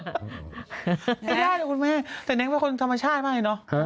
ไม่ได้นะคุณแม่แต่เน้งเป็นคนธรรมชาติมากเลยเนอะ